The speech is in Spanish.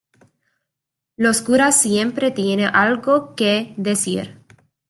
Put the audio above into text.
los curas siempre tiene algo que decir.